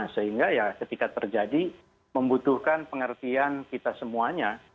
sehingga ya ketika terjadi membutuhkan pengertian kita semuanya